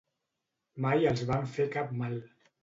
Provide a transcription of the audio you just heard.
Mai els vam fer cap mal.